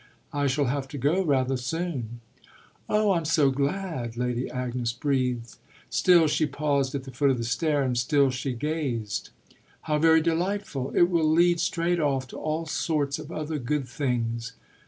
I shall have to go rather soon." "Oh I'm so glad!" Lady Agnes breathed. Still she paused at the foot of the stair and still she gazed. "How very delightful it will lead straight off to all sorts of other good things!"